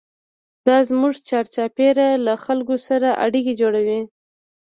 دا زموږ چارچاپېره له خلکو سره اړیکې جوړوي.